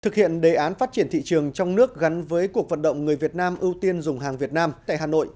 thực hiện đề án phát triển thị trường trong nước gắn với cuộc vận động người việt nam ưu tiên dùng hàng việt nam tại hà nội